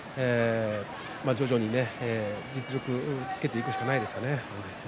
徐々に実力をつけていくしかないですよね。